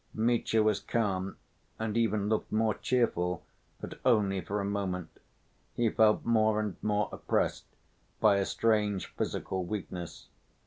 Mitya was calm, and even looked more cheerful, but only for a moment. He felt more and more oppressed by a strange physical weakness.